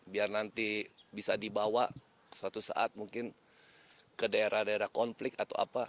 biar nanti bisa dibawa suatu saat mungkin ke daerah daerah konflik atau apa